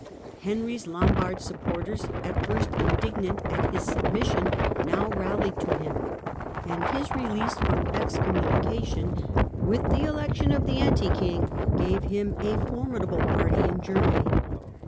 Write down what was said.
Henry's Lombard supporters, at first indignant at his submission, now rallied to him, and his release from excommunication, with the election of the anti king, gave him a formidable party in Germany.